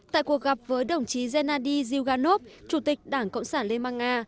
tại cuộc gặp với đồng chí zena di zilganov chủ tịch đảng cộng sản liên bang nga